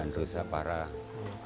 yang rusak parah